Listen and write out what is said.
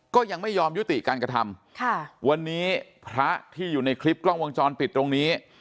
ก็ยังไม่ยอมยุติการกระทำค่ะวันนี้พระที่อยู่ในคลิปกล้องวงจรปิดตรงนี้